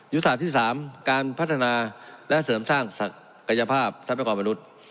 ศาสตร์ที่๓การพัฒนาและเสริมสร้างศักยภาพทรัพยากรมนุษย์